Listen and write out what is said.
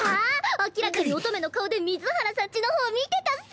明らかに乙女の顔で水原さん家の方見てたっス！